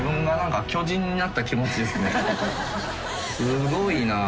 すごいな。